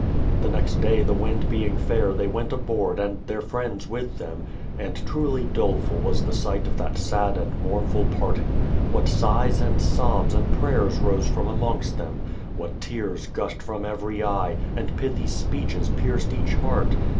The next day the wind being fair they went aboard and their friends with them, — and truly doleful was tlie sight of that sad and mournful parting. What sighs and sobs and prayers rose from amongst them ! What tears gushed from every eye, and pithy speeches pierced each heart!